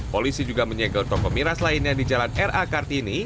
polisi juga menyegel toko miras lainnya di jalan ra kartini